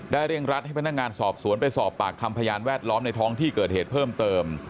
เร่งรัดให้พนักงานสอบสวนไปสอบปากคำพยานแวดล้อมในท้องที่เกิดเหตุเพิ่มเติม